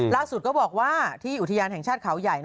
ล่าสุดก็บอกว่าที่อุทิญาณแห่งชาติเขาใหญ่